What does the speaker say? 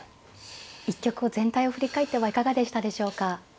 一局を全体を振り返ってはいかがでしたでしょうか。